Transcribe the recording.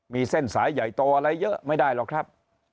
มีเส้นสายใหญ่โตอะไรเยอะไม่ได้หรอกครับ